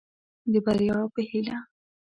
د بريا په هيله.